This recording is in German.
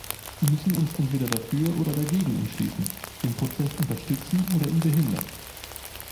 Wir müssen uns entweder dafür oder dagegen entschließen, den Prozess unterstützen oder ihn behindern.